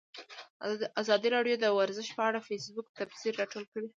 ازادي راډیو د ورزش په اړه د فیسبوک تبصرې راټولې کړي.